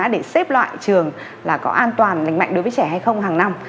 để xếp loại trường là có an toàn lành mạnh đối với trẻ hay không hàng năm